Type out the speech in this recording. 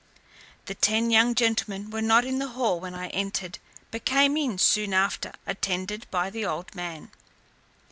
The ten young gentlemen were not in the hall when I entered; but came in soon after, attended by the old man.